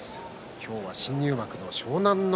今日は新入幕の湘南乃